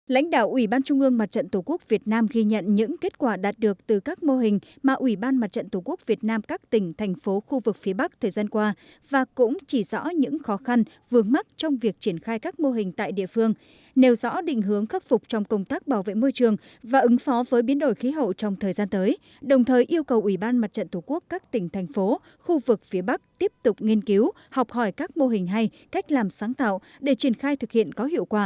lãnh đạo ủy ban trung ương mặt trận tổ quốc việt nam ghi nhận những kết quả đạt được từ các mô hình mà ủy ban mặt trận tổ quốc việt nam các tỉnh thành phố khu vực phía bắc thời gian qua và cũng chỉ rõ những khó khăn vương mắc trong việc triển khai các mô hình tại địa phương nêu rõ định hướng khắc phục trong công tác bảo vệ môi trường và ứng phó với biến đổi khí hậu trong thời gian tới đồng thời yêu cầu ủy ban mặt trận tổ quốc các tỉnh thành phố khu vực phía bắc tiếp tục nghiên cứu học hỏi các mô hình hay cách làm sáng tạo để triển khai thực hiện có hi